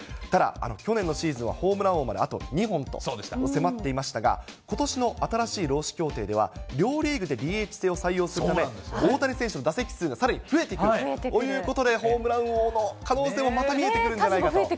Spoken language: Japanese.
ただ、去年のシーズンはホームラン王まであと２本と迫っていましたが、ことしの新しい労使協定では、両リーグでＤＨ制を採用するため、大谷選手の打席数がさらに増えてくるということで、ホームラン王の可能性もまた見えてくるんじゃないかと。